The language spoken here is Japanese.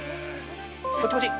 ◆こっちこっち。